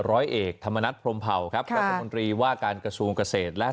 ร้อยเอกธรรมนัฐพรมเผาครับรัฐมนตรีว่าการกระทรวงเกษตรและ